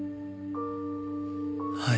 はい。